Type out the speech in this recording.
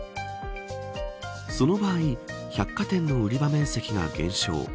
その場合、百貨店の売り場面積が減少。